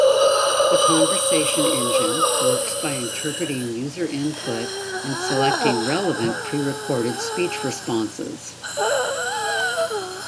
The conversation engine works by interpreting user input and selecting relevant pre-recorded speech responses.